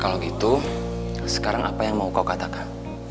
kalau gitu sekarang apa yang mau kau katakan